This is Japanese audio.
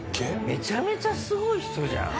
めちゃめちゃすごい人じゃん。